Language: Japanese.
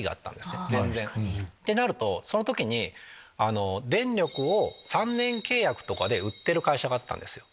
ってなるとその時に電力を３年契約とかで売ってる会社があったんですよ。